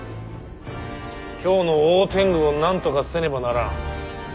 京の大天狗をなんとかせねばならん。